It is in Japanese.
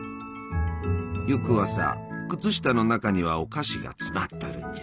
翌朝靴下の中にはお菓子が詰まっとるんじゃ。